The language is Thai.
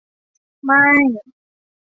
ไม่